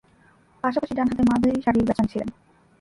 পাশাপাশি ডানহাতে মাঝারিসারির ব্যাটসম্যান ছিলেন।